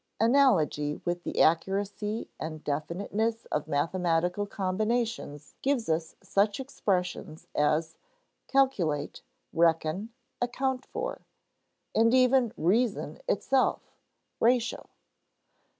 Analogy with the accuracy and definiteness of mathematical combinations gives us such expressions as calculate, reckon, account for; and even reason itself ratio.